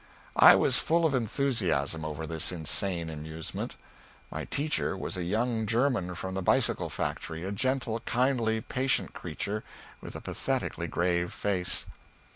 I was full of enthusiasm over this insane amusement. My teacher was a young German from the bicycle factory, a gentle, kindly, patient creature, with a pathetically grave face.